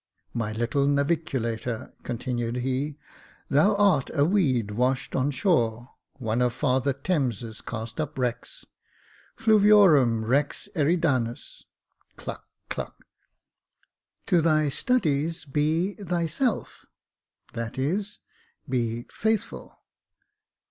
" My little navllculator," continued he, " thou art a weed washed on shore, one of Father Thames' cast up wrecks. *■ Fluviorum rex Eridanus? [Cluck, cluck.] To thy studies; be thyself — that is, be Faithful.